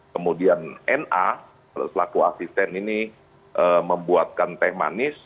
kemudian na selaku asisten ini membuatkan teh manis